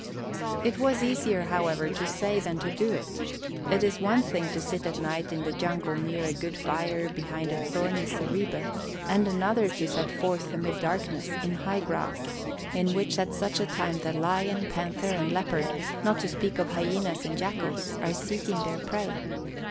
It was easier, however, to say than to do it; it is one thing to sit at night in the jungle near a good fire behind a thorny zareba, and another to set forth amid darkness, in high grass, in which at such a time the lion, panther, and leopard, not to speak of hyenas and jackals, are seeking their prey.